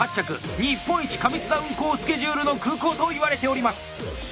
日本一過密な運航スケジュールの空港といわれております。